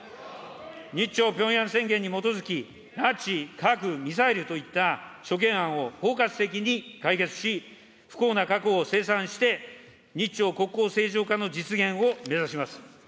日朝ピョンヤン宣言に基づき、拉致、核、ミサイルといった諸懸案を包括的に解決し、不幸な過去を清算して、日朝国交正常化の実現を目指します。